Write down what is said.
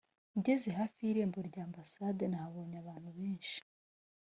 ngeze hafi y’irembo rya ambasade nabonye abantu benshi